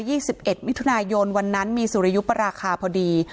ี่สิบเอ็ดมิถุนายนวันนั้นมีสุริยุปราคาพอดี